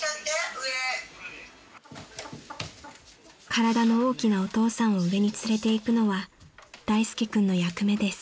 ［体の大きなお父さんを上に連れていくのは大介君の役目です］